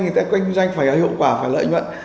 người ta kinh doanh phải hiệu quả phải lợi nhuận